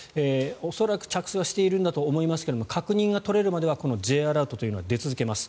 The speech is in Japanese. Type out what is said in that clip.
恐らく、着水はしているんだと思いますが確認が取れるまではＪアラートというのは出続けます。